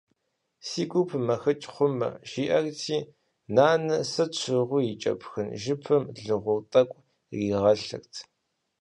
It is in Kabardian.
Си гур пымэхыкӏ хъумэ, жиӏэрти, нанэ сыт щыгъуи и кӏэпхын жыпым лыгъур тӏэкӏу иригъэлъырт.